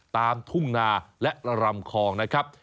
ตามทุ่งนาและระรำคลองนะครับ